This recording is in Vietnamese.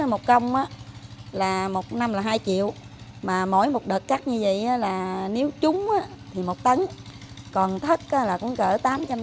một công là một năm là hai triệu mà mỗi một đợt cắt như vậy là nếu trúng thì một tấn còn thất là cũng cỡ tám trăm linh